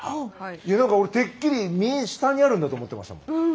なんか俺てっきり身下にあるんだと思ってましたもん。